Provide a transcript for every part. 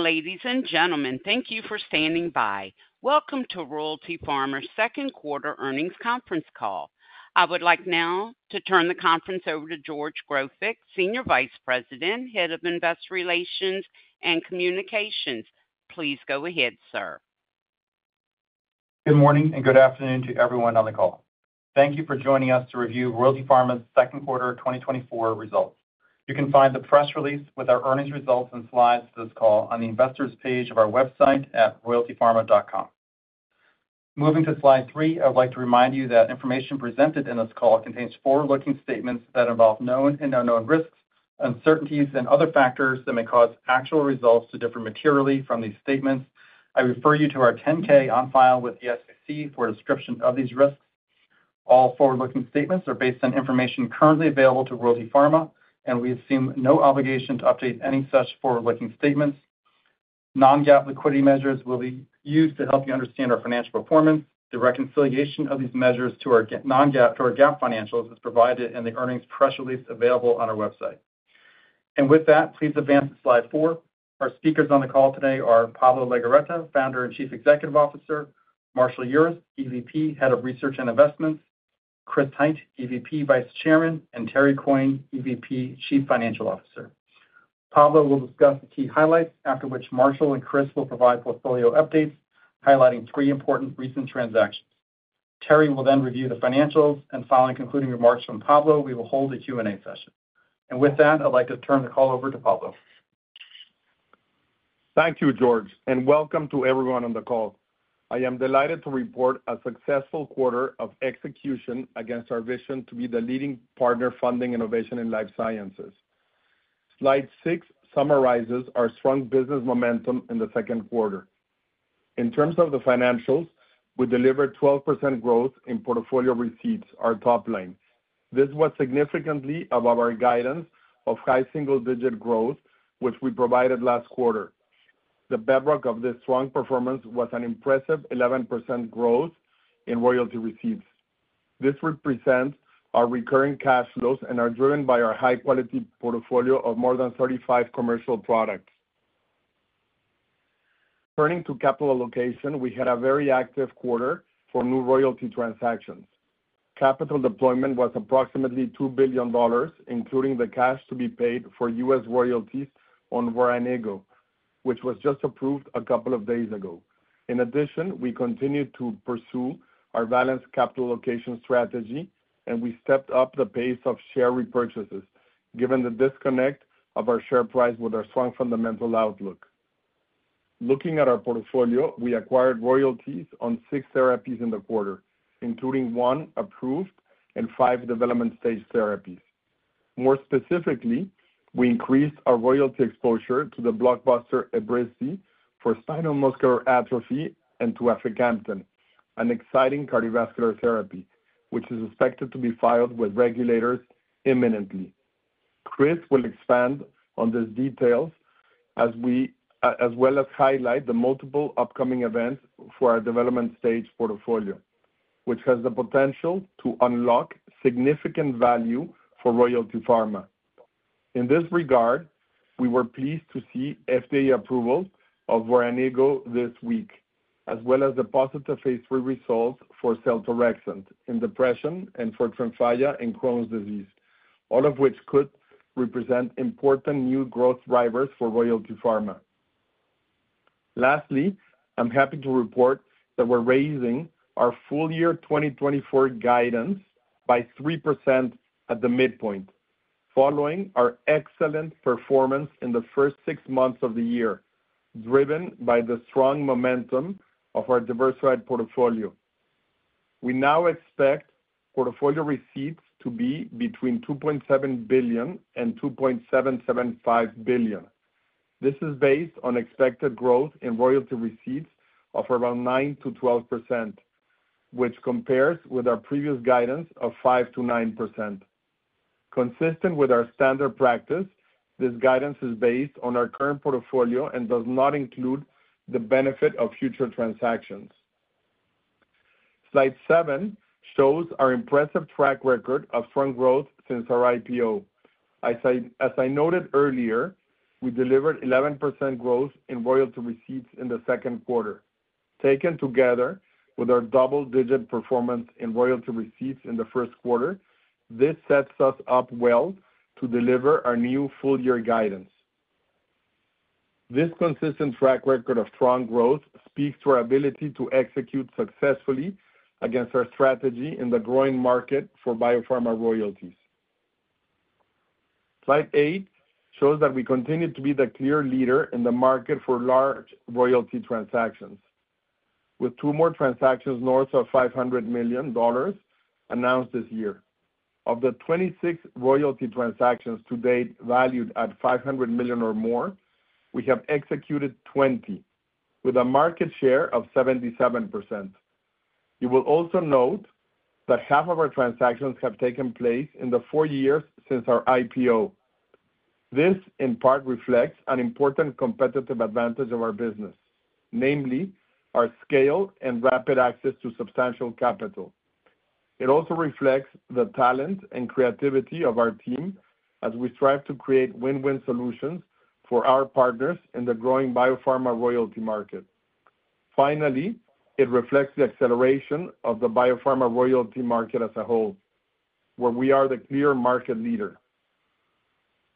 Ladies and gentlemen, thank you for standing by. Welcome to Royalty Pharma's second quarter earnings conference call. I would like now to turn the conference over to George Grofik, Senior Vice President, Head of Investor Relations and Communications. Please go ahead, sir. Good morning, and good afternoon to everyone on the call. Thank you for joining us to review Royalty Pharma's second quarter 2024 results. You can find the press release with our earnings results and slides for this call on the investors page of our website at royaltypharma.com. Moving to slide 3, I would like to remind you that information presented in this call contains forward-looking statements that involve known and unknown risks, uncertainties, and other factors that may cause actual results to differ materially from these statements. I refer you to our 10-K on file with the SEC for a description of these risks. All forward-looking statements are based on information currently available to Royalty Pharma, and we assume no obligation to update any such forward-looking statements. Non-GAAP liquidity measures will be used to help you understand our financial performance. The reconciliation of these measures to our GAAP and non-GAAP financials is provided in the earnings press release available on our website. With that, please advance to slide four. Our speakers on the call today are Pablo Legorreta, Founder and Chief Executive Officer, Marshall Urist, EVP, Head of Research and Investments, Chris Hite, EVP Vice Chairman, and Terry Coyne, EVP, Chief Financial Officer. Pablo will discuss the key highlights, after which Marshall and Chris will provide portfolio updates, highlighting three important recent transactions. Terry will then review the financials, and following concluding remarks from Pablo, we will hold a Q&A session. With that, I'd like to turn the call over to Pablo. Thank you, George, and welcome to everyone on the call. I am delighted to report a successful quarter of execution against our vision to be the leading partner funding innovation in life sciences. slide 6 summarizes our strong business momentum in the second quarter. In terms of the financials, we delivered 12% growth in portfolio receipts, our top line. This was significantly above our guidance of high single-digit growth, which we provided last quarter. The bedrock of this strong performance was an impressive 11% growth in royalty receipts. This represents our recurring cash flows and are driven by our high-quality portfolio of more than 35 commercial products. Turning to capital allocation, we had a very active quarter for new royalty transactions. Capital deployment was approximately $2 billion, including the cash to be paid for U.S. royalties on Voranigo, which was just approved a couple of days ago. In addition, we continued to pursue our balanced capital allocation strategy, and we stepped up the pace of share repurchases, given the disconnect of our share price with our strong fundamental outlook. Looking at our portfolio, we acquired royalties on six therapies in the quarter, including one approved and five development-stage therapies. More specifically, we increased our royalty exposure to the blockbuster Evrysdi for spinal muscular atrophy and to Aficamten, an exciting cardiovascular therapy, which is expected to be filed with regulators imminently. Chris will expand on these details as well as highlight the multiple upcoming events for our development stage portfolio, which has the potential to unlock significant value for Royalty Pharma. In this regard, we were pleased to see FDA approval of Voranigo this week, as well as the positive phase III results for seltorexant in depression and for Tremfya in Crohn's disease, all of which could represent important new growth drivers for Royalty Pharma. Lastly, I'm happy to report that we're raising our full year 2024 guidance by 3% at the midpoint, following our excellent performance in the first six months of the year, driven by the strong momentum of our diversified portfolio. We now expect portfolio receipts to be between $2.7 billion and $2.775 billion. This is based on expected growth in royalty receipts of around 9%-12%, which compares with our previous guidance of 5%-9%. Consistent with our standard practice, this guidance is based on our current portfolio and does not include the benefit of future transactions. slide seven shows our impressive track record of strong growth since our IPO. As I noted earlier, we delivered 11% growth in royalty receipts in the second quarter. Taken together with our double-digit performance in royalty receipts in the first quarter, this sets us up well to deliver our new full-year guidance. This consistent track record of strong growth speaks to our ability to execute successfully against our strategy in the growing market for biopharma royalties. slide eight shows that we continue to be the clear leader in the market for large royalty transactions, with two more transactions north of $500 million announced this year. Of the 26 royalty transactions to date, valued at $500 million or more, we have executed 20, with a market share of 77%. You will also note that half of our transactions have taken place in the 4 years since our IPO. This, in part, reflects an important competitive advantage of our business, namely our scale and rapid access to substantial capital. It also reflects the talent and creativity of our team as we strive to create win-win solutions for our partners in the growing biopharma royalty market. Finally, it reflects the acceleration of the biopharma royalty market as a whole, where we are the clear market leader.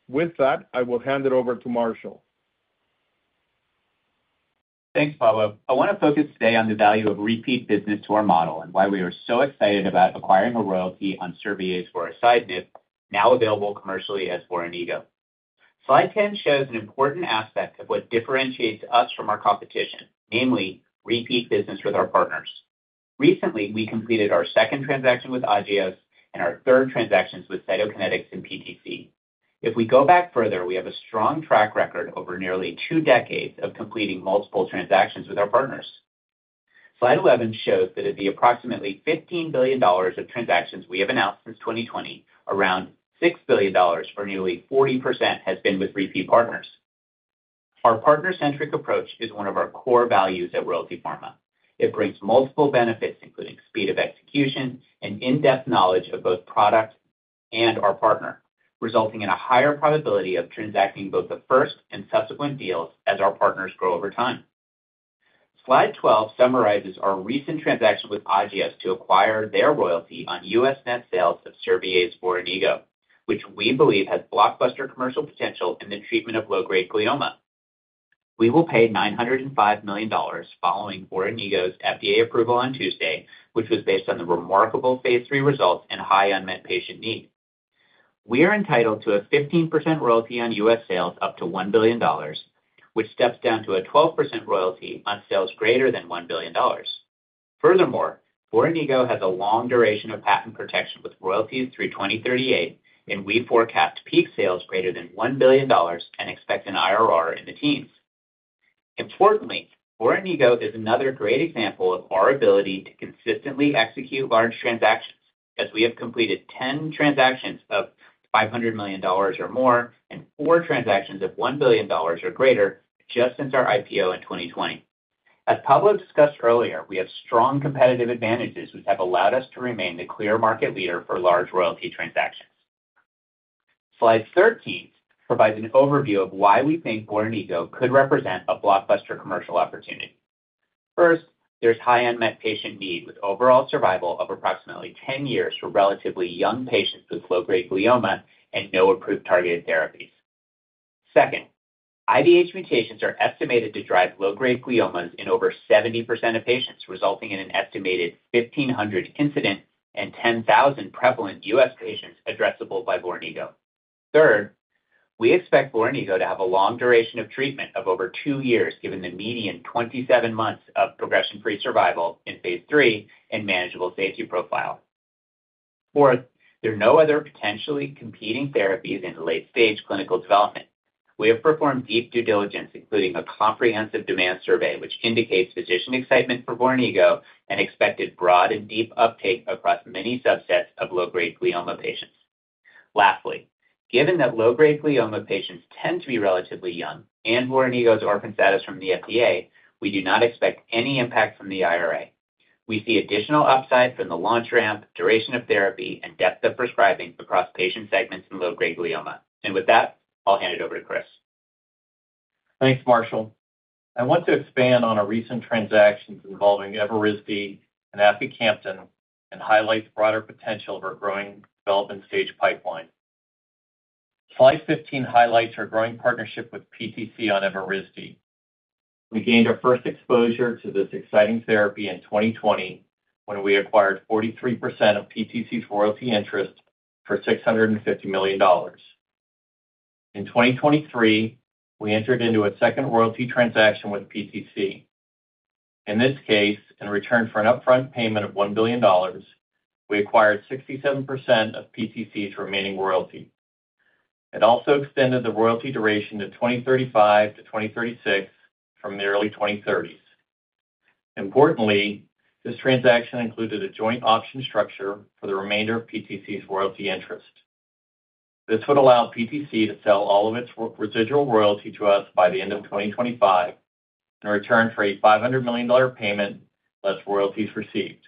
With that, I will hand it over to Marshall. Thanks, Pablo. I want to focus today on the value of repeat business to our model, and why we are so excited about acquiring a royalty on Servier's vorasidenib, now available commercially as Voranigo. slide 10 shows an important aspect of what differentiates us from our competition, namely, repeat business with our partners. Recently, we completed our second transaction with Agios and our third transactions with Cytokinetics and PTC. If we go back further, we have a strong track record over nearly two decades of completing multiple transactions with our partners. slide 11 shows that of the approximately $15 billion of transactions we have announced since 2020, around $6 billion, or nearly 40%, has been with repeat partners. Our partner-centric approach is one of our core values at Royalty Pharma. It brings multiple benefits, including speed of execution and in-depth knowledge of both product and our partner, resulting in a higher probability of transacting both the first and subsequent deals as our partners grow over time. slide 12 summarizes our recent transaction with Agios to acquire their royalty on U.S. net sales of Servier's Voranigo, which we believe has blockbuster commercial potential in the treatment of low-grade glioma. We will pay $905 million following Voranigo's FDA approval on Tuesday, which was based on the remarkable phase three results and high unmet patient need. We are entitled to a 15% royalty on U.S. sales up to $1 billion, which steps down to a 12% royalty on sales greater than $1 billion. Furthermore, Voranigo has a long duration of patent protection, with royalties through 2038, and we forecast peak sales greater than $1 billion and expect an IRR in the teens. Importantly, Voranigo is another great example of our ability to consistently execute large transactions, as we have completed 10 transactions of $500 million or more, and four transactions of $1 billion or greater, just since our IPO in 2020. As Pablo discussed earlier, we have strong competitive advantages, which have allowed us to remain the clear market leader for large royalty transactions. slide 13 provides an overview of why we think Voranigo could represent a blockbuster commercial opportunity. First, there's high unmet patient need, with overall survival of approximately 10 years for relatively young patients with low-grade glioma and no approved targeted therapies. Second, IDH mutations are estimated to drive low-grade gliomas in over 70% of patients, resulting in an estimated 1,500 incident and 10,000 prevalent U.S. patients addressable by Voranigo. Third, we expect Voranigo to have a long duration of treatment of over two years, given the median 27 months of progression-free survival in phase three and manageable safety profile. Fourth, there are no other potentially competing therapies in late-stage clinical development. We have performed deep due diligence, including a comprehensive demand survey, which indicates physician excitement for Voranigo and expected broad and deep uptake across many subsets of low-grade glioma patients. Lastly, given that low-grade glioma patients tend to be relatively young, and Voranigo's orphan status from the FDA, we do not expect any impact from the IRA. We see additional upside from the launch ramp, duration of therapy, and depth of prescribing across patient segments in low-grade glioma. With that, I'll hand it over to Chris. Thanks, Marshall. I want to expand on our recent transactions involving Evrysdi and Aficamten, and highlight the broader potential of our growing development stage pipeline. slide 15 highlights our growing partnership with PTC on Evrysdi. We gained our first exposure to this exciting therapy in 2020, when we acquired 43% of PTC's royalty interest for $650 million. In 2023, we entered into a second royalty transaction with PTC. In this case, in return for an upfront payment of $1 billion, we acquired 67% of PTC's remaining royalty. It also extended the royalty duration to 2035-2036 from the early 2030s. Importantly, this transaction included a joint option structure for the remainder of PTC's royalty interest. This would allow PTC to sell all of its residual royalty to us by the end of 2025, in return for a $500 million payment, less royalties received.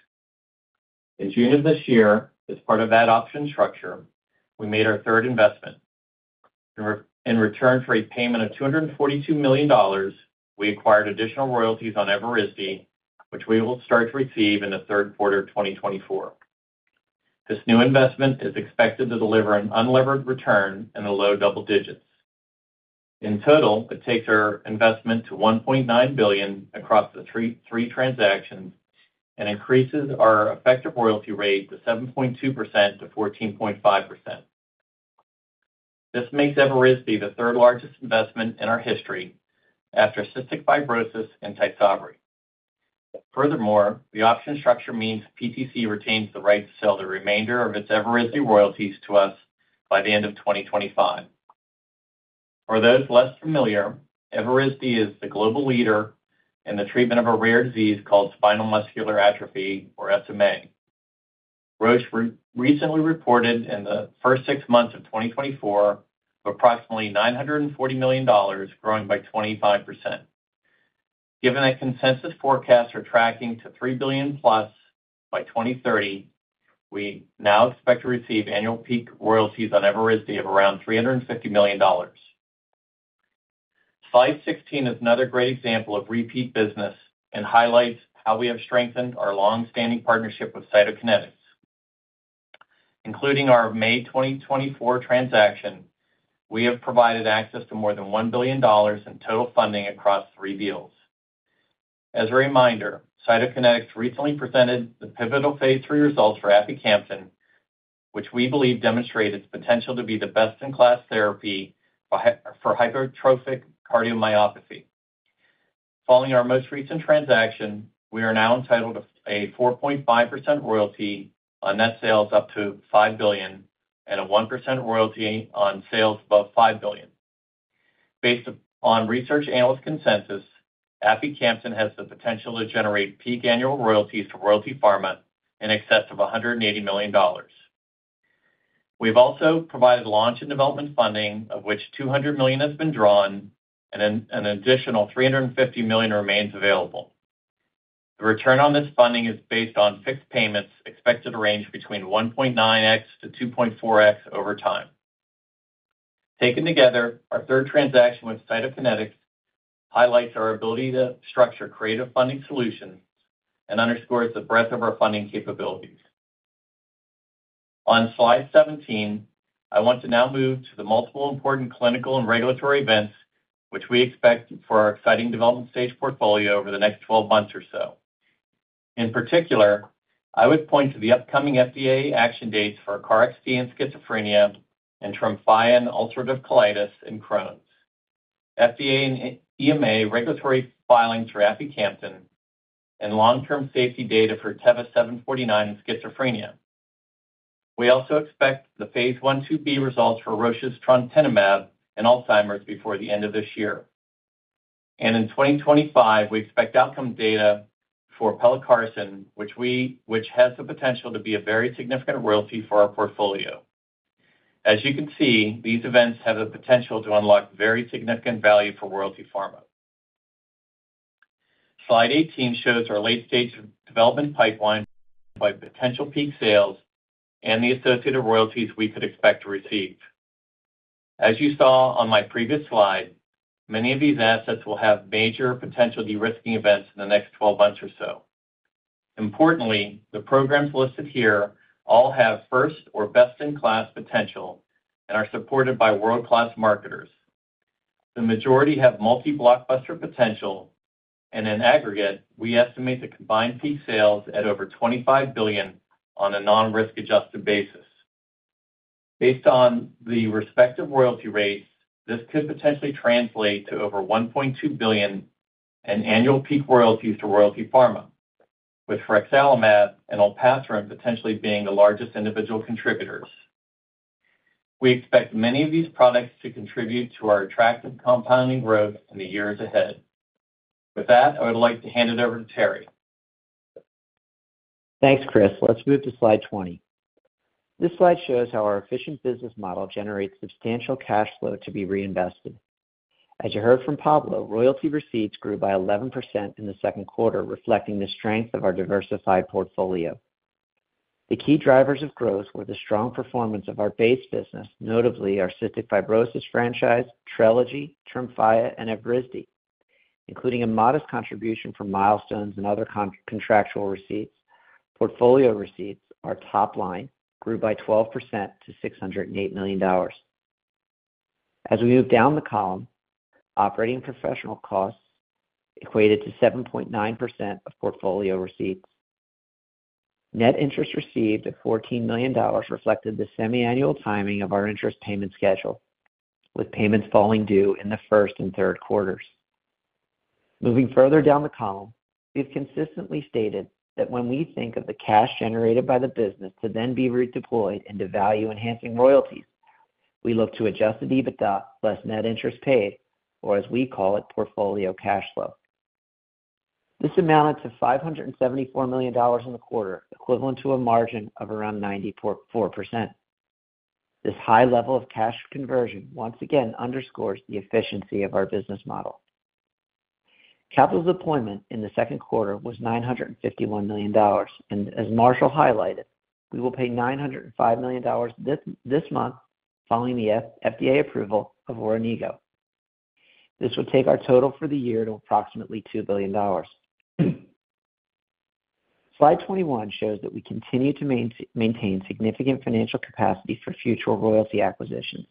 In June of this year, as part of that option structure, we made our third investment. In return for a payment of $242 million, we acquired additional royalties on Evrysdi, which we will start to receive in the third quarter of 2024. This new investment is expected to deliver an unlevered return in the low double digits. In total, it takes our investment to $1.9 billion across the three transactions and increases our effective royalty rate to 7.2%-14.5%. This makes Evrysdi the third-largest investment in our history after cystic fibrosis and Tysabri. Furthermore, the option structure means PTC retains the right to sell the remainder of its Evrysdi royalties to us by the end of 2025. For those less familiar, Evrysdi is the global leader in the treatment of a rare disease called spinal muscular atrophy, or SMA. Roche recently reported in the first six months of 2024, of approximately $940 million, growing by 25%.... Given that consensus forecasts are tracking to $3 billion+ by 2030, we now expect to receive annual peak royalties on Evrysdi of around $350 million. slide 16 is another great example of repeat business and highlights how we have strengthened our long-standing partnership with Cytokinetics. Including our May 2024 transaction, we have provided access to more than $1 billion in total funding across three deals. As a reminder, Cytokinetics recently presented the pivotal phase 3 results for aficamten, which we believe demonstrate its potential to be the best-in-class therapy for hypertrophic cardiomyopathy. Following our most recent transaction, we are now entitled to a 4.5% royalty on net sales up to $5 billion, and a 1% royalty on sales above $5 billion. Based on research analyst consensus, aficamten has the potential to generate peak annual royalties to Royalty Pharma in excess of $180 million. We've also provided launch and development funding, of which $200 million has been drawn and an additional $350 million remains available. The return on this funding is based on fixed payments, expected to range between 1.9x-2.4x over time. Taken together, our third transaction with Cytokinetics highlights our ability to structure creative funding solutions and underscores the breadth of our funding capabilities. On slide 17, I want to now move to the multiple important clinical and regulatory events which we expect for our exciting development stage portfolio over the next 12 months or so. In particular, I would point to the upcoming FDA action dates for KarXT and schizophrenia, and Tremfya and ulcerative colitis and Crohn's. FDA and EMA regulatory filings for Aficamten, and long-term safety data for TEV-749 in schizophrenia. We also expect the phase l, 2B results for Roche's Trontinemab and Alzheimer's before the end of this year. And in 2025, we expect outcome data for Pelacarsen, which has the potential to be a very significant royalty for our portfolio. As you can see, these events have the potential to unlock very significant value for Royalty Pharma. Slide 18 shows our late-stage development pipeline by potential peak sales and the associated royalties we could expect to receive. As you saw on my previous slide, many of these assets will have major potential de-risking events in the next 12 months or so. Importantly, the programs listed here all have first or best-in-class potential and are supported by world-class marketers. The majority have multi-blockbuster potential, and in aggregate, we estimate the combined peak sales at over $25 billion on a non-risk adjusted basis. Based on the respective royalty rates, this could potentially translate to over $1.2 billion in annual peak royalties to Royalty Pharma, with Frexalimab and Olpasiran potentially being the largest individual contributors. We expect many of these products to contribute to our attractive compounding growth in the years ahead. With that, I would like to hand it over to Terry. Thanks, Chris. Let's move to slide 20. This slide shows how our efficient business model generates substantial cash flow to be reinvested. As you heard from Pablo, royalty receipts grew by 11% in the second quarter, reflecting the strength of our diversified portfolio. The key drivers of growth were the strong performance of our base business, notably our cystic fibrosis franchise, Trelegy, Tremfya, and Evrysdi, including a modest contribution from milestones and other contractual receipts. Portfolio receipts, our top line, grew by 12% to $608 million. As we move down the column, operating professional costs equated to 7.9% of portfolio receipts. Net interest received, at $14 million, reflected the semiannual timing of our interest payment schedule, with payments falling due in the first and third quarters. Moving further down the column, we've consistently stated that when we think of the cash generated by the business to then be redeployed into value-enhancing royalties, we look to Adjusted EBITDA less net interest paid, or as we call it, portfolio cash flow. This amounted to $574 million in the quarter, equivalent to a margin of around 94.4%. This high level of cash conversion once again underscores the efficiency of our business model. Capital deployment in the second quarter was $951 million, and as Marshall highlighted, we will pay $905 million this month following the FDA approval of Voranigo. This will take our total for the year to approximately $2 billion. Slide 21 shows that we continue to maintain significant financial capacity for future royalty acquisitions.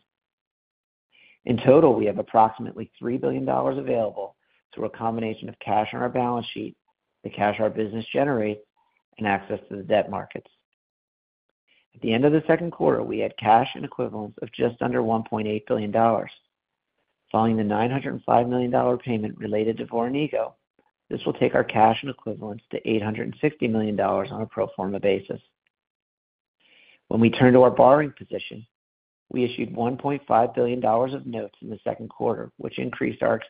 In total, we have approximately $3 billion available through a combination of cash on our balance sheet, the cash our business generates, and access to the debt markets. At the end of the second quarter, we had cash and equivalents of just under $1.8 billion. Following the $905 million payment related to Voranigo, this will take our cash and equivalents to $860 million on a pro forma basis. When we turn to our borrowing position, we issued $1.5 billion of notes in the second quarter, which increased our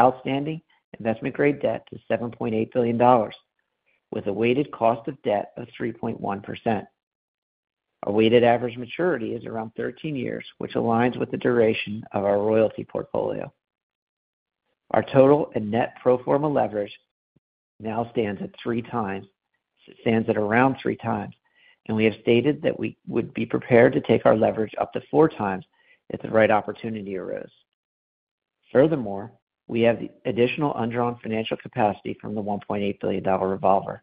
outstanding investment-grade debt to $7.8 billion, with a weighted cost of debt of 3.1%. Our weighted average maturity is around 13 years, which aligns with the duration of our royalty portfolio. Our total and net pro forma leverage now stands at around 3 times, and we have stated that we would be prepared to take our leverage up to 4 times if the right opportunity arose. Furthermore, we have the additional undrawn financial capacity from the $1.8 billion revolver.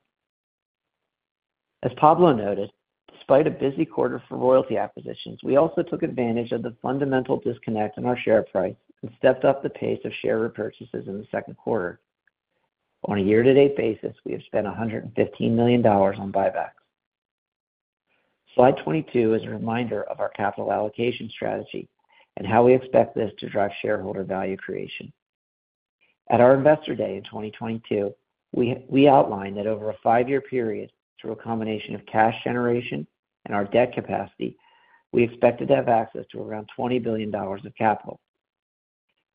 As Pablo noted, despite a busy quarter for royalty acquisitions, we also took advantage of the fundamental disconnect in our share price and stepped up the pace of share repurchases in the second quarter. On a year-to-date basis, we have spent $115 million on buybacks. Slide 22 is a reminder of our capital allocation strategy and how we expect this to drive shareholder value creation. At our Investor Day in 2022, we outlined that over a 5-year period, through a combination of cash generation and our debt capacity, we expected to have access to around $20 billion of capital.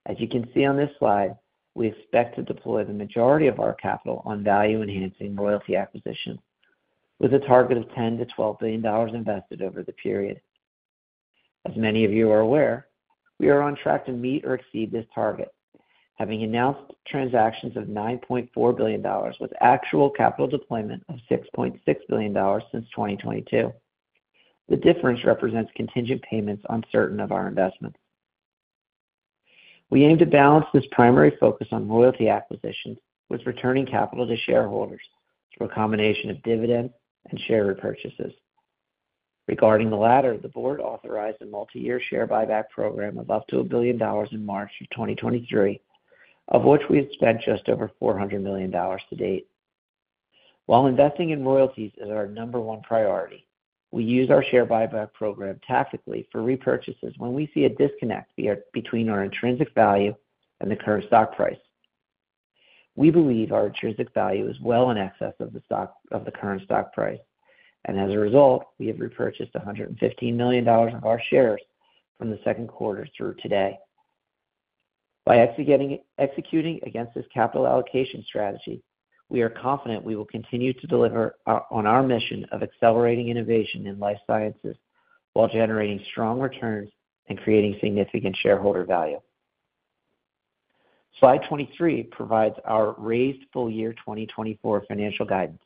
As you can see on this slide, we expect to deploy the majority of our capital on value-enhancing royalty acquisition, with a target of $10 billion-$12 billion invested over the period. As many of you are aware, we are on track to meet or exceed this target, having announced transactions of $9.4 billion with actual capital deployment of $6.6 billion since 2022. The difference represents contingent payments on certain of our investments. We aim to balance this primary focus on royalty acquisitions with returning capital to shareholders through a combination of dividend and share repurchases. Regarding the latter, the board authorized a multi-year share buyback program of up to $1 billion in March 2023, of which we have spent just over $400 million to date. While investing in royalties is our number one priority, we use our share buyback program tactically for repurchases when we see a disconnect between our intrinsic value and the current stock price. We believe our intrinsic value is well in excess of the current stock price, and as a result, we have repurchased $115 million of our shares from the second quarter through today. By executing against this capital allocation strategy, we are confident we will continue to deliver on our mission of accelerating innovation in life sciences, while generating strong returns and creating significant shareholder value. Slide 23 provides our raised full year 2024 financial guidance.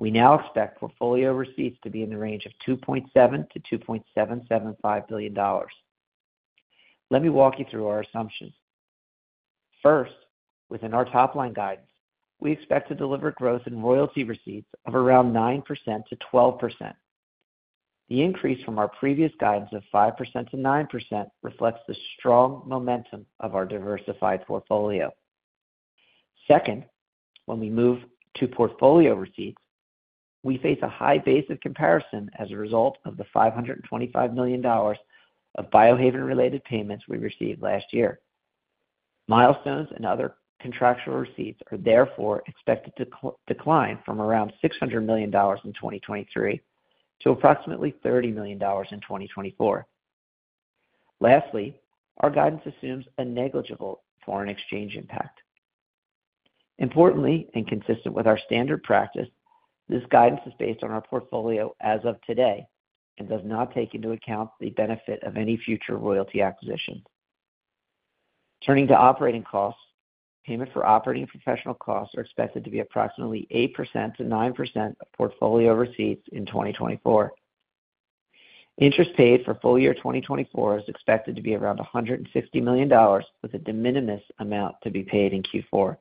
We now expect portfolio receipts to be in the range of $2.7 billion-$2.775 billion. Let me walk you through our assumptions. First, within our top-line guidance, we expect to deliver growth in royalty receipts of around 9%-12%. The increase from our previous guidance of 5%-9% reflects the strong momentum of our diversified portfolio. Second, when we move to portfolio receipts, we face a high base of comparison as a result of the $525 million of Biohaven-related payments we received last year. Milestones and other contractual receipts are therefore expected to decline from around $600 million in 2023 to approximately $30 million in 2024. Lastly, our guidance assumes a negligible foreign exchange impact. Importantly, and consistent with our standard practice, this guidance is based on our portfolio as of today and does not take into account the benefit of any future royalty acquisitions. Turning to operating costs, payment for operating professional costs are expected to be approximately 8%-9% of portfolio receipts in 2024. Interest paid for full year 2024 is expected to be around $160 million, with a de minimis amount to be paid in Q4.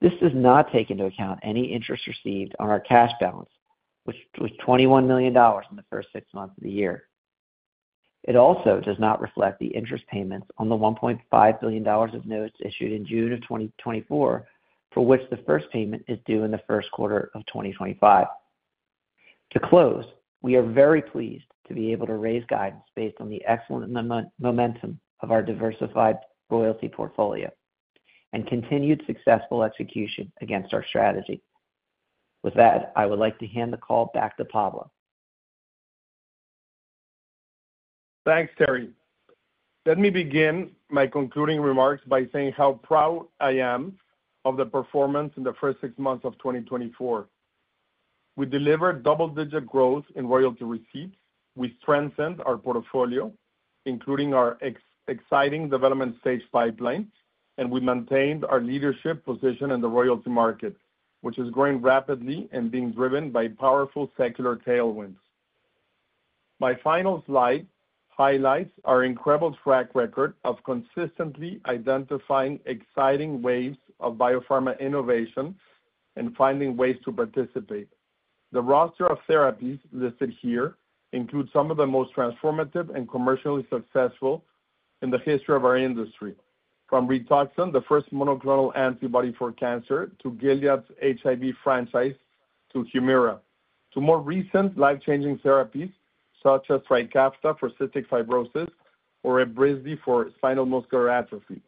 This does not take into account any interest received on our cash balance, which was $21 million in the first six months of the year. It also does not reflect the interest payments on the $1.5 billion of notes issued in June of 2024, for which the first payment is due in the first quarter of 2025. To close, we are very pleased to be able to raise guidance based on the excellent momentum of our diversified royalty portfolio and continued successful execution against our strategy. With that, I would like to hand the call back to Pablo. Thanks, Terry. Let me begin my concluding remarks by saying how proud I am of the performance in the first six months of 2024. We delivered double-digit growth in royalty receipts, we strengthened our portfolio, including our exciting development stage pipelines, and we maintained our leadership position in the royalty market, which is growing rapidly and being driven by powerful secular tailwinds. My final slide highlights our incredible track record of consistently identifying exciting waves of biopharma innovation and finding ways to participate. The roster of therapies listed here includes some of the most transformative and commercially successful in the history of our industry, from Rituxan, the first monoclonal antibody for cancer, to Gilead's HIV franchise, to Humira, to more recent life-changing therapies such as Trikafta for cystic fibrosis or Evrysdi for spinal muscular atrophy.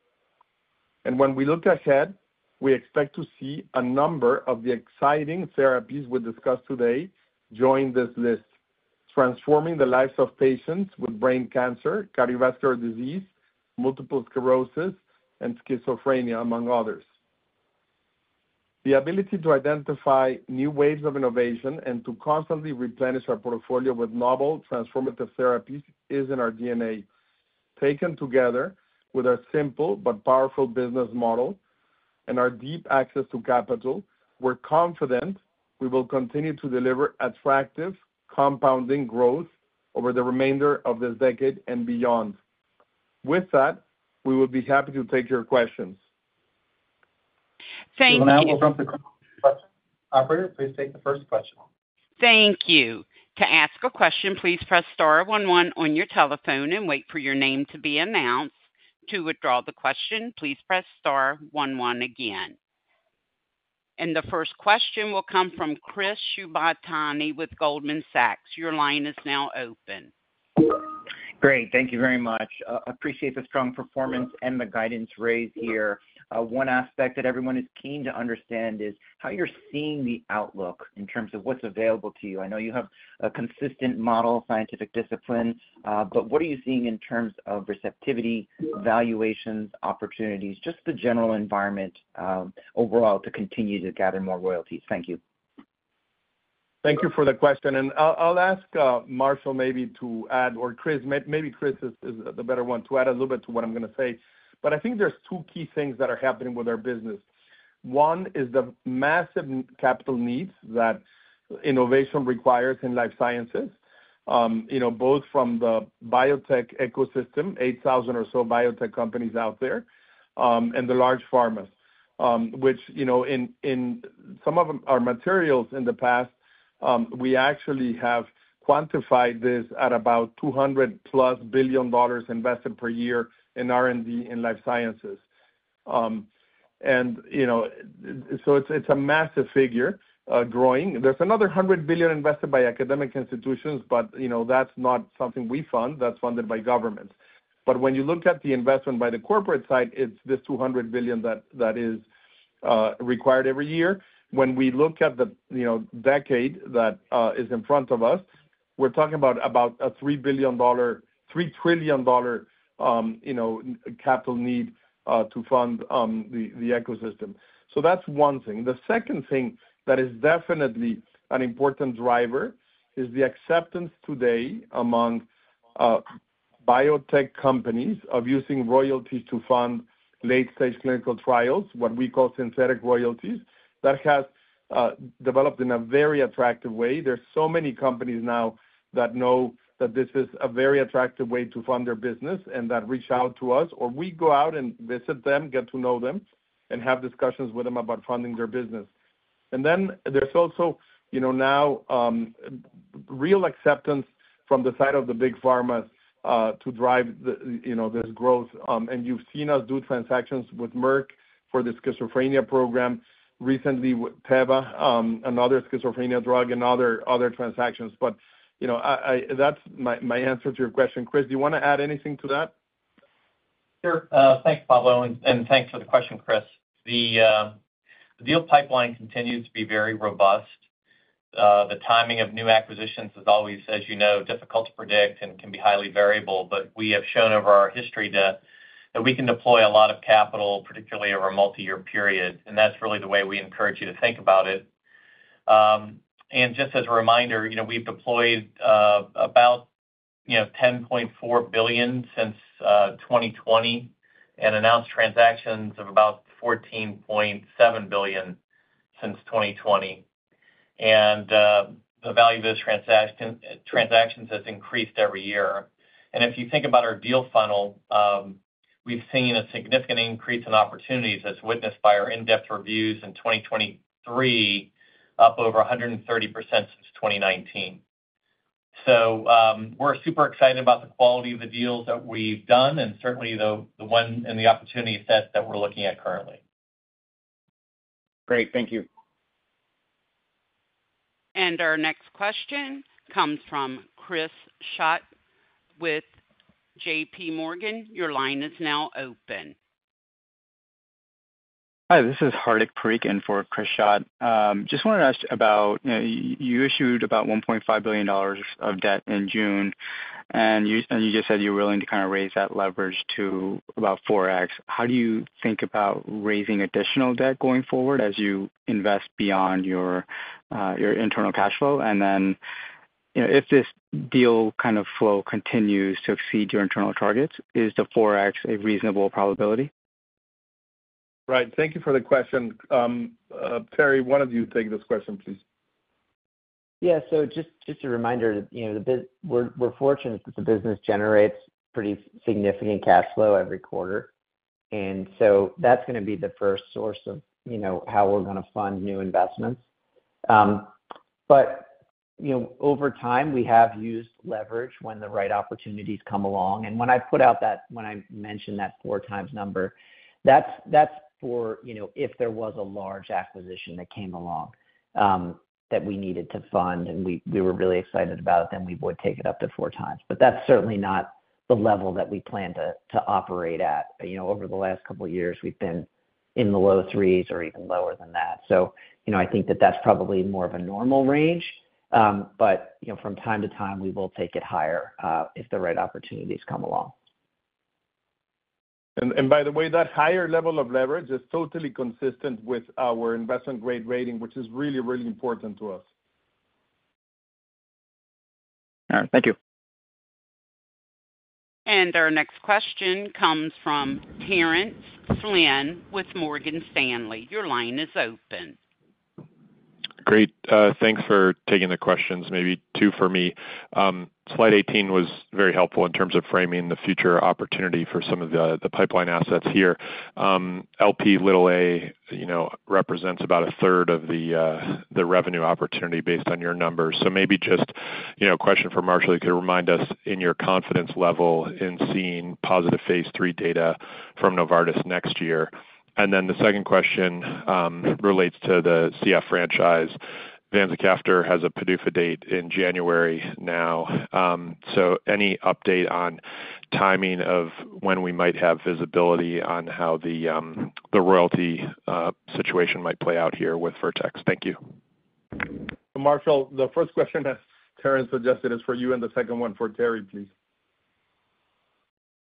When we look ahead, we expect to see a number of the exciting therapies we discussed today join this list, transforming the lives of patients with brain cancer, cardiovascular disease, multiple sclerosis, and schizophrenia, among others. The ability to identify new waves of innovation and to constantly replenish our portfolio with novel transformative therapies is in our DNA. Taken together with our simple but powerful business model and our deep access to capital, we're confident we will continue to deliver attractive compounding growth over the remainder of this decade and beyond. With that, we will be happy to take your questions. Thank you- We'll now go to the questions. Operator, please take the first question. Thank you. To ask a question, please press star one one on your telephone and wait for your name to be announced. To withdraw the question, please press star one one again. The first question will come from Chris Shibutani with Goldman Sachs. Your line is now open. Great, thank you very much. Appreciate the strong performance and the guidance raise here. One aspect that everyone is keen to understand is how you're seeing the outlook in terms of what's available to you. I know you have a consistent model, scientific discipline, but what are you seeing in terms of receptivity, valuations, opportunities, just the general environment, overall, to continue to gather more royalties? Thank you. Thank you for the question, and I'll ask Marshall maybe to add, or Chris. Maybe Chris is the better one to add a little bit to what I'm gonna say. But I think there's two key things that are happening with our business. One is the massive capital needs that innovation requires in life sciences, you know, both from the biotech ecosystem, 8,000 or so biotech companies out there, and the large pharmas. Which, you know, in some of our materials in the past, we actually have quantified this at about $200+ billion invested per year in R&D in life sciences. And, you know, so it's a massive figure, growing. There's another $100 billion invested by academic institutions, but, you know, that's not something we fund, that's funded by government. But when you look at the investment by the corporate side, it's this $200 billion that is required every year. When we look at the, you know, decade that is in front of us, we're talking about about a $3 billion-$3 trillion, you know, capital need to fund the ecosystem. So that's one thing. The second thing that is definitely an important driver is the acceptance today among biotech companies of using royalties to fund late-stage clinical trials, what we call synthetic royalties. That has developed in a very attractive way. There's so many companies now that know that this is a very attractive way to fund their business and that reach out to us, or we go out and visit them, get to know them, and have discussions with them about funding their business. And then there's also, you know, now, real acceptance from the side of the big pharmas, to drive the, you know, this growth. And you've seen us do transactions with Merck for the schizophrenia program, recently with Teva, another schizophrenia drug and other transactions. But, you know, that's my answer to your question. Chris, do you want to add anything to that? Sure. Thanks, Pablo, and thanks for the question, Chris. The deal pipeline continues to be very robust. The timing of new acquisitions is always, as you know, difficult to predict and can be highly variable, but we have shown over our history that we can deploy a lot of capital, particularly over a multi-year period, and that's really the way we encourage you to think about it. Just as a reminder, you know, we've deployed about, you know, $10.4 billion since 2020 and announced transactions of about $14.7 billion since 2020, and the value of those transactions has increased every year. If you think about our deal funnel, we've seen a significant increase in opportunities as witnessed by our in-depth reviews in 2023, up over 130% since 2019. We're super excited about the quality of the deals that we've done and certainly the one and the opportunity set that we're looking at currently. Great. Thank you. Our next question comes from Chris Schott with JP Morgan. Your line is now open. Hi, this is Hardik Parikh in for Chris Schott. Just wanted to ask about, you know, you issued about $1.5 billion of debt in June, and you just said you're willing to kind of raise that leverage to about 4x. How do you think about raising additional debt going forward as you invest beyond your internal cash flow? And then, you know, if this deal kind of flow continues to exceed your internal targets, is the 4x a reasonable probability? Right. Thank you for the question. Terry, one of you take this question, please. Yeah, so just a reminder, you know, we're fortunate that the business generates pretty significant cash flow every quarter, and so that's gonna be the first source of, you know, how we're gonna fund new investments. But, you know, over time, we have used leverage when the right opportunities come along. And when I mentioned that 4x number, that's for, you know, if there was a large acquisition that came along, that we needed to fund and we were really excited about, then we would take it up to 4x. But that's certainly not the level that we plan to operate at. You know, over the last couple of years, we've been in the low 3s or even lower than that. So, you know, I think that that's probably more of a normal range, but, you know, from time to time, we will take it higher, if the right opportunities come along. ... by the way, that higher level of leverage is totally consistent with our investment-grade rating, which is really, really important to us. All right. Thank you. Our next question comes from Terence Flynn with Morgan Stanley. Your line is open. Great. Thanks for taking the questions. Maybe two for me. Slide 18 was very helpful in terms of framing the future opportunity for some of the, the pipeline assets here. Lp(a), you know, represents about a third of the revenue opportunity based on your numbers. So maybe just, you know, a question for Marshall. You could remind us in your confidence level in seeing positive phase 3 data from Novartis next year. And then the second question relates to the CF franchise. Vanzacaftor has a PDUFA date in January now. So any update on timing of when we might have visibility on how the royalty situation might play out here with Vertex? Thank you. Marshall, the first question, as Terence suggested, is for you, and the second one for Terry, please.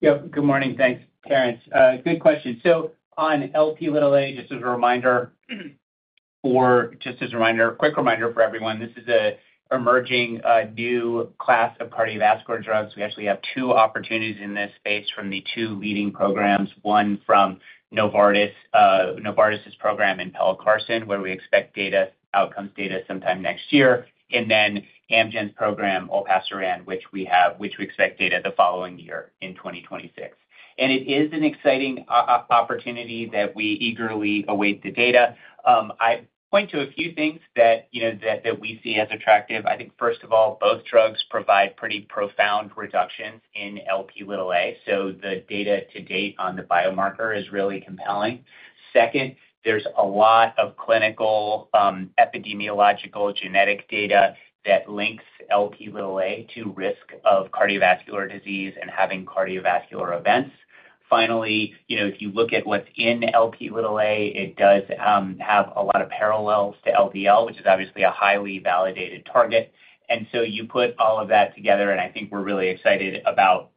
Yep. Good morning. Thanks, Terence. Good question. So on Lp(a), just as a reminder, or just as a reminder, quick reminder for everyone, this is an emerging new class of cardiovascular drugs. We actually have two opportunities in this space from the two leading programs, one from Novartis, Novartis' program in Pelacarsen, where we expect outcomes data sometime next year, and then Amgen's program, Olpasiran, which we expect data the following year in 2026. And it is an exciting opportunity that we eagerly await the data. I point to a few things that, you know, we see as attractive. I think first of all, both drugs provide pretty profound reductions in Lp(a), so the data to date on the biomarker is really compelling. Second, there's a lot of clinical, epidemiological genetic data that links Lp to risk of cardiovascular disease and having cardiovascular events. Finally, you know, if you look at what's in Lp, it does have a lot of parallels to LDL, which is obviously a highly validated target. And so you put all of that together, and I think we're really excited about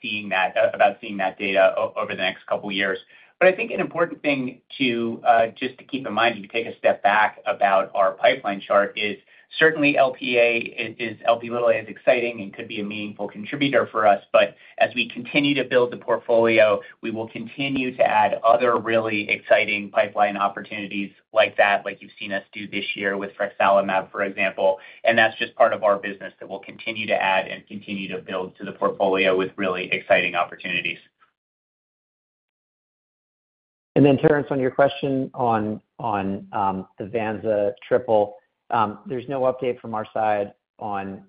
seeing that data over the next couple of years. But I think an important thing to just keep in mind, if you take a step back about our pipeline chart, is certainly Lp(a) is exciting and could be a meaningful contributor for us, but as we continue to build the portfolio, we will continue to add other really exciting pipeline opportunities like that, like you've seen us do this year with Frexalimab, for example. And that's just part of our business that we'll continue to add and continue to build to the portfolio with really exciting opportunities. And then, Terence, on your question on the Vanza triple, there's no update from our side on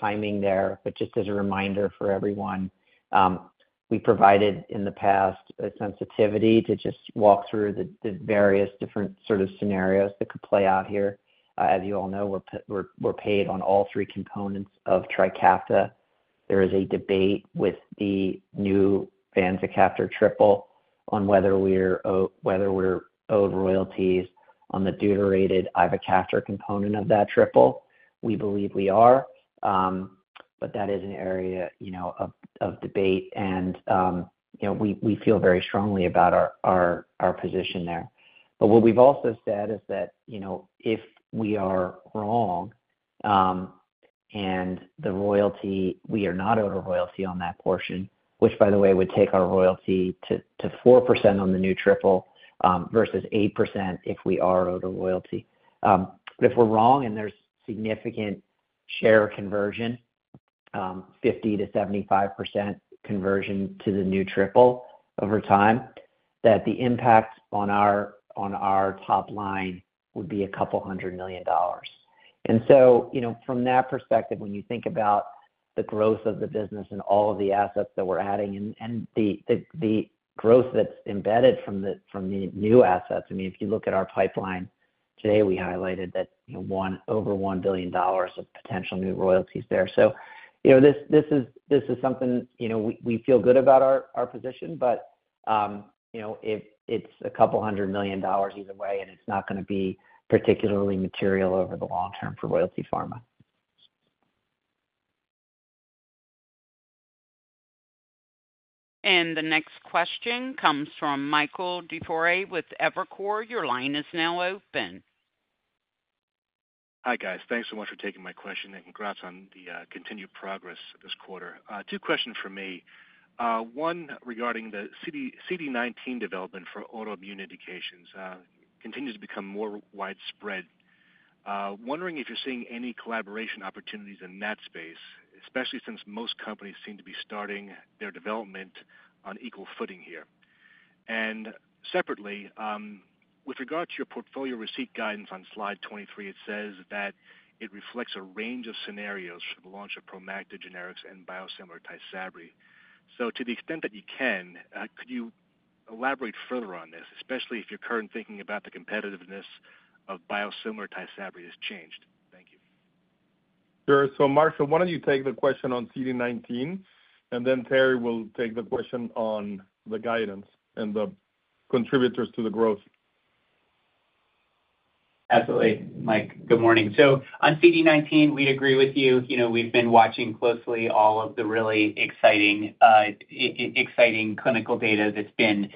timing there. But just as a reminder for everyone, we provided in the past a sensitivity to just walk through the various different sort of scenarios that could play out here. As you all know, we're paid on all three components of Trikafta. There is a debate with the new Vanza Caftor triple on whether we're owed royalties on the deuterated ivacaftor component of that triple. We believe we are, but that is an area, you know, of debate, and, you know, we feel very strongly about our position there. But what we've also said is that, you know, if we are wrong, and the royalty... We are not owed a royalty on that portion, which, by the way, would take our royalty to 4% on the new triple versus 8% if we are owed a royalty. But if we're wrong and there's significant share conversion, 50%-75% conversion to the new triple over time, that the impact on our top line would be $200 million. And so, you know, from that perspective, when you think about the growth of the business and all of the assets that we're adding and the growth that's embedded from the new assets, I mean, if you look at our pipeline today, we highlighted that, you know, over $1 billion of potential new royalties there. So, you know, this is something, you know, we feel good about our position, but, you know, it's $200 million either way, and it's not gonna be particularly material over the long term for Royalty Pharma. The next question comes from Michael DiFiore with Evercore. Your line is now open. Hi, guys. Thanks so much for taking my question, and congrats on the continued progress this quarter. Two questions for me. One, regarding the CD19 development for autoimmune indications continues to become more widespread. Wondering if you're seeing any collaboration opportunities in that space, especially since most companies seem to be starting their development on equal footing here. And separately, with regard to your portfolio receipt guidance on slide 23, it says that it reflects a range of scenarios for the launch of Promacta generics and biosimilar Tysabri. So to the extent that you can, could you elaborate further on this, especially if your current thinking about the competitiveness of biosimilar Tysabri has changed? Thank you. Sure. So Marshall, why don't you take the question on CD-nineteen, and then Terry will take the question on the guidance and the contributors to the growth? Absolutely, Mike, good morning. So on CD19, we agree with you. You know, we've been watching closely all of the really exciting clinical data that's been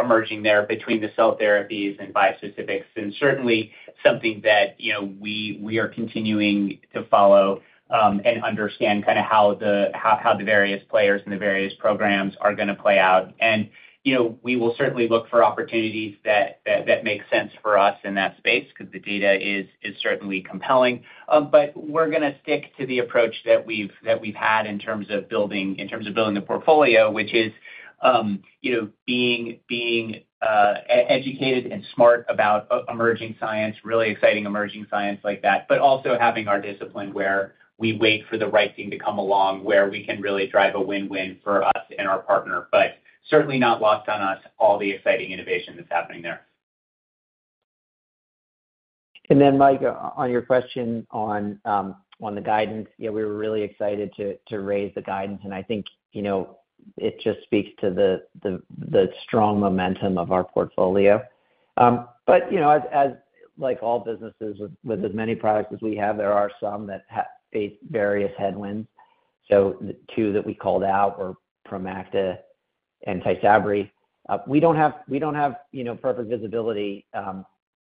emerging there between the cell therapies and bispecifics, and certainly something that, you know, we are continuing to follow and understand kind of how the various players and the various programs are going to play out. And, you know, we will certainly look for opportunities that make sense for us in that space, because the data is certainly compelling. But we're going to stick to the approach that we've had in terms of building the portfolio, which is, you know, being educated and smart about emerging science, really exciting emerging science like that, but also having our discipline where we wait for the right thing to come along, where we can really drive a win-win for us and our partner. But certainly not lost on us, all the exciting innovation that's happening there. And then, Mike, on your question on the guidance, yeah, we were really excited to raise the guidance, and I think, you know, it just speaks to the strong momentum of our portfolio. But you know, as like all businesses with as many products as we have, there are some that face various headwinds. So the two that we called out were Promacta and Tysabri. We don't have, we don't have, you know, perfect visibility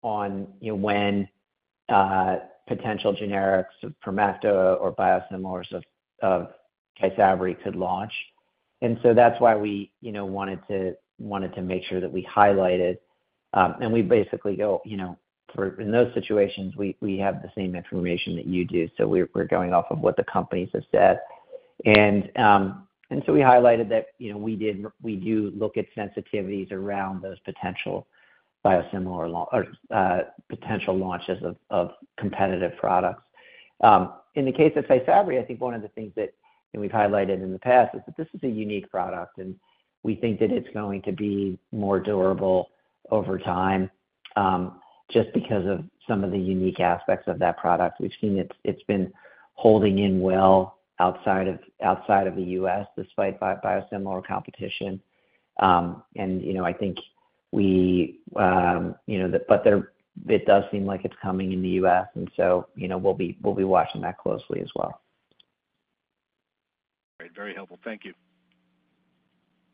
on, you know, when potential generics of Promacta or biosimilars of Tysabri could launch. And so that's why we, you know, wanted to make sure that we highlighted, and we basically go, you know, for in those situations, we have the same information that you do, so we're going off of what the companies have said. We highlighted that, you know, we do look at sensitivities around those potential biosimilar launches or potential launches of competitive products. In the case of Tysabri, I think one of the things that we've highlighted in the past is that this is a unique product, and we think that it's going to be more durable over time, just because of some of the unique aspects of that product. We've seen it. It's been holding up well outside of the U.S., despite biosimilar competition. You know, I think, you know, but it does seem like it's coming in the U.S., and so, you know, we'll be watching that closely as well. Great, very helpful. Thank you.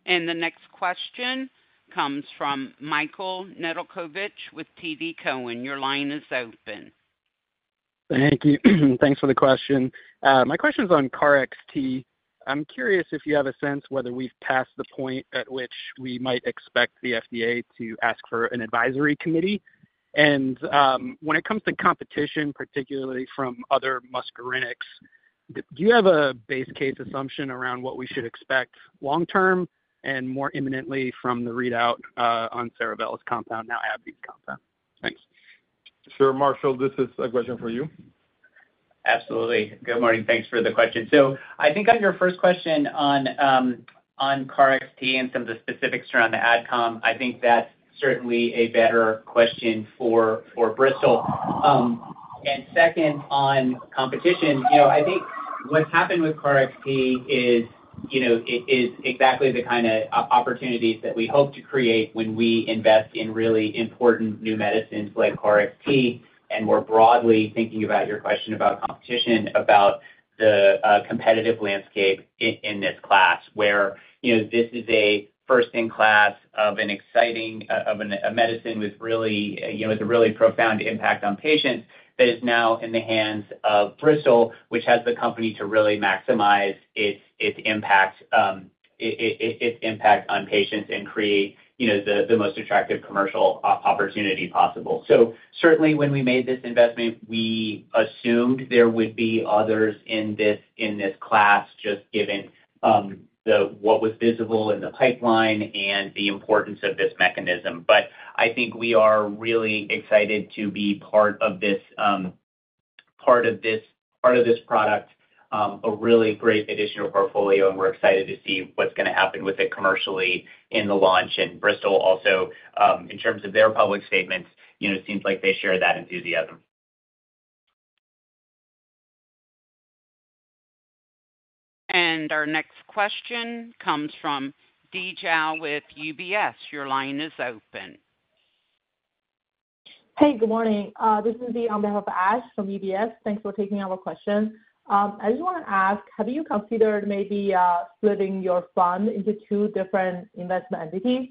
The next question comes from Michael Nedelcovici with TD Cowen. Your line is open. Thank you. Thanks for the question. My question is on KarXT. I'm curious if you have a sense whether we've passed the point at which we might expect the FDA to ask for an advisory committee? And, when it comes to competition, particularly from other muscarinics, do you have a base case assumption around what we should expect long term and more imminently from the readout, on Cerevel's compound, now AbbVie's compound? Thanks. Sure, Marshall, this is a question for you. Absolutely. Good morning. Thanks for the question. So I think on your first question on KarXT and some of the specifics around the AdCom, I think that's certainly a better question for Bristol. And second, on competition, you know, I think what's happened with CAR XT is exactly the kind of opportunities that we hope to create when we invest in really important new medicines like CAR XT, and more broadly, thinking about your question about competition, about the competitive landscape in this class, where, you know, this is a first-in-class of an exciting medicine with really, you know, with a really profound impact on patients that is now in the hands of Bristol, which has the company to really maximize its impact on patients and create, you know, the most attractive commercial opportunity possible. So certainly, when we made this investment, we assumed there would be others in this, in this class, just given the what was visible in the pipeline and the importance of this mechanism. But I think we are really excited to be part of this, part of this, part of this product, a really great addition to our portfolio, and we're excited to see what's going to happen with it commercially in the launch. And Bristol also, in terms of their public statements, you know, seems like they share that enthusiasm. Our next question comes from Di Zhao with UBS. Your line is open. Hey, good morning. This is Di on behalf of Ash from UBS. Thanks for taking our question. I just want to ask, have you considered maybe splitting your fund into two different investment entities?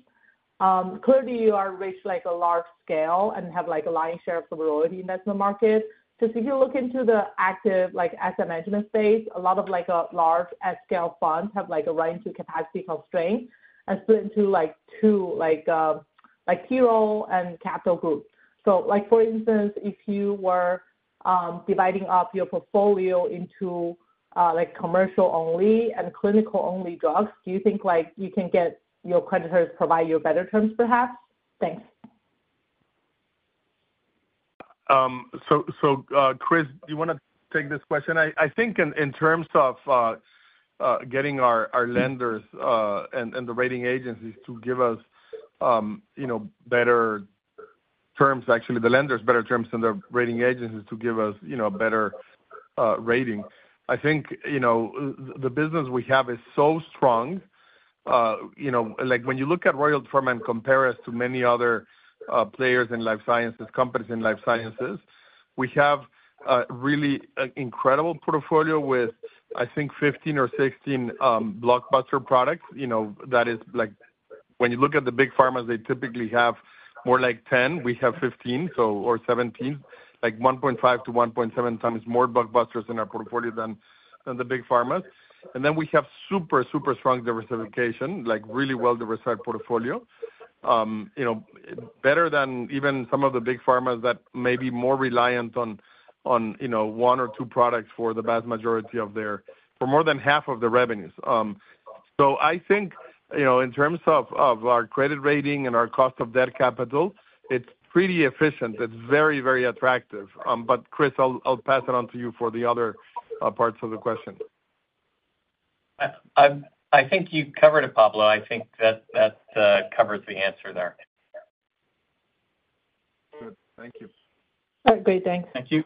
Clearly, you are reached, like, a large scale and have, like, a lion's share of the royalty investment market. So if you look into the active, like, asset management space, a lot of, like, large-scale funds have, like, a run to capacity constraint and split into, like, two, like, YieldCo and capital groups. So, like, for instance, if you were dividing up your portfolio into, like, commercial only and clinical only drugs, do you think, like, you can get your creditors to provide you better terms, perhaps? Thanks. So, Chris, do you want to take this question? I think in terms of getting our lenders and the rating agencies to give us, you know, better terms, actually, the lenders better terms than the rating agencies to give us, you know, better-... rating. I think, you know, the business we have is so strong, you know, like, when you look at Royalty Pharma and compare us to many other, players in life sciences, companies in life sciences, we have a really, an incredible portfolio with, I think, 15 or 16, blockbuster products. You know, that is like when you look at the big pharmas, they typically have more like 10. We have 15, so, or 17, like 1.5x-1.7x more blockbusters in our portfolio than the big pharmas. And then we have super, super strong diversification, like, really well diversified portfolio. You know, better than even some of the big pharmas that may be more reliant on, you know, one or two products for the vast majority of their, for more than half of their revenues. So I think, you know, in terms of our credit rating and our cost of debt capital, it's pretty efficient. It's very, very attractive. But Chris, I'll pass it on to you for the other parts of the question. I think you covered it, Pablo. I think that covers the answer there. Good. Thank you. All right, great. Thanks. Thank you.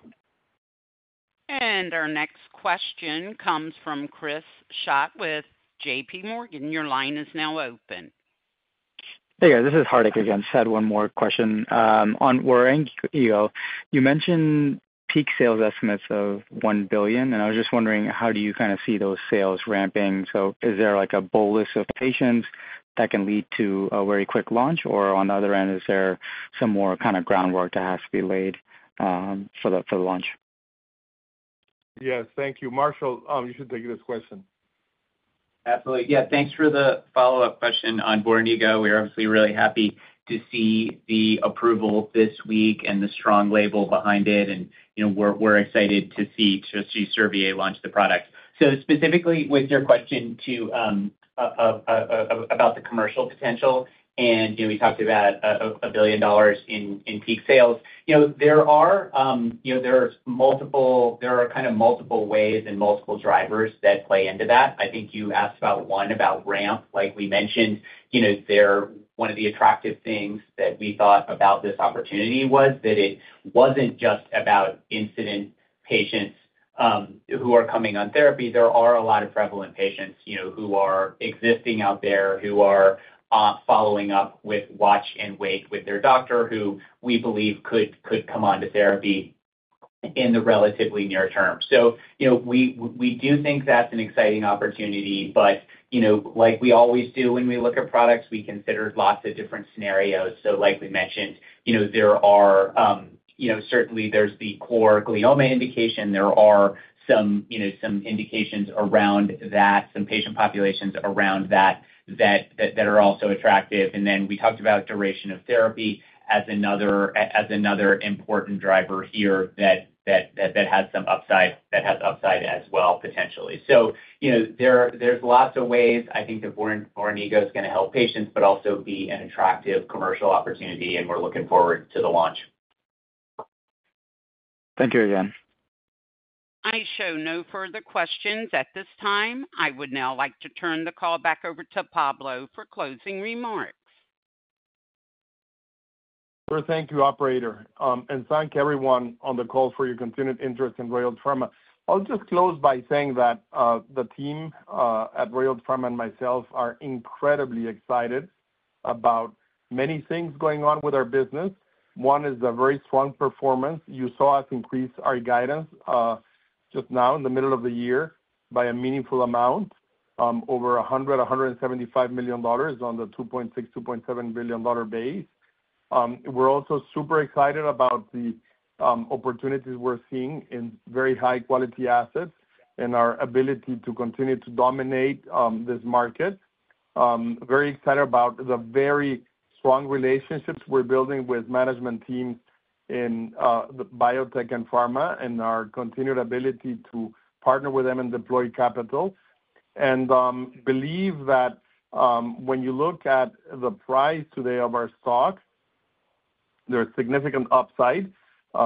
Our next question comes from Chris Schott with JP Morgan. Your line is now open. Hey, guys, this is Hardik again. Just had one more question on Voranigo. You mentioned peak sales estimates of $1 billion, and I was just wondering, how do you kind of see those sales ramping? So is there, like, a bolus of patients that can lead to a very quick launch? Or on the other end, is there some more kind of groundwork that has to be laid for the launch? Yes. Thank you. Marshall, you should take this question. Absolutely. Yeah, thanks for the follow-up question on Voranigo. We are obviously really happy to see the approval this week and the strong label behind it, and, you know, we're excited to see Servier launch the product. So specifically with your question to about the commercial potential, and, you know, we talked about $1 billion in peak sales. You know, there are multiple-- there are kind of multiple ways and multiple drivers that play into that. I think you asked about one, about ramp, like we mentioned. You know, there... One of the attractive things that we thought about this opportunity was that it wasn't just about incident patients who are coming on therapy. There are a lot of prevalent patients, you know, who are existing out there, who are following up with watch and wait with their doctor, who we believe could come onto therapy in the relatively near term. So, you know, we do think that's an exciting opportunity, but, you know, like we always do when we look at products, we consider lots of different scenarios. So like we mentioned, you know, there are, you know, certainly there's the core glioma indication. There are some, you know, some indications around that, some patient populations around that, that are also attractive. And then we talked about duration of therapy as another, as another important driver here, that has some upside, that has upside as well, potentially. So, you know, there's lots of ways I think that Voranigo is gonna help patients, but also be an attractive commercial opportunity, and we're looking forward to the launch. Thank you again. I show no further questions at this time. I would now like to turn the call back over to Pablo for closing remarks. Thank you, operator. And thank everyone on the call for your continued interest in Royalty Pharma. I'll just close by saying that, the team, at Royalty Pharma and myself are incredibly excited about many things going on with our business. One is the very strong performance. You saw us increase our guidance, just now in the middle of the year by a meaningful amount, over $175 million on the $2.6 billion-$2.7 billion base. We're also super excited about the, opportunities we're seeing in very high-quality assets and our ability to continue to dominate, this market. Very excited about the very strong relationships we're building with management teams in, the biotech and pharma and our continued ability to partner with them and deploy capital. Believe that when you look at the price today of our stock, there's significant upside,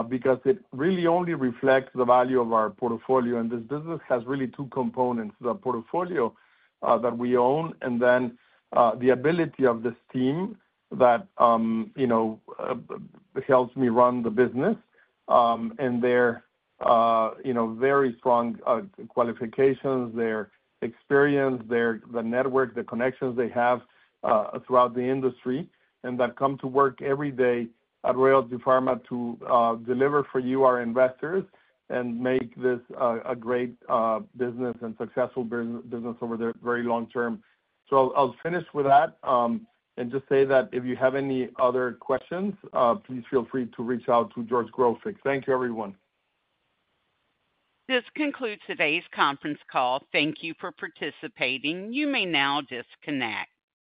because it really only reflects the value of our portfolio. This business has really two components, the portfolio that we own, and then the ability of this team that, you know, helps me run the business, and their, you know, very strong qualifications, their experience, their the network, the connections they have throughout the industry, and that come to work every day at Royalty Pharma to deliver for you, our investors, and make this a great business and successful business over the very long term. So I'll finish with that, and just say that if you have any other questions, please feel free to reach out to George Grofik. Thank you, everyone. This concludes today's conference call. Thank you for participating. You may now disconnect.